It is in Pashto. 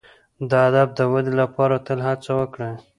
د ادب د ودي لپاره تل هڅه وکړئ.